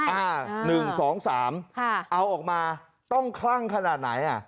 อ่าหนึ่งสองสามเอาออกมาต้องคร่างขนาดไหนอ่ะ